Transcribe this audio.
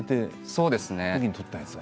そうですね